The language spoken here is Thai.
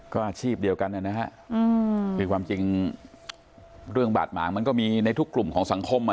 ก็อาชีพเดียวกันนะฮะคือความจริงเรื่องบาดหมางมันก็มีในทุกกลุ่มของสังคมอ่ะ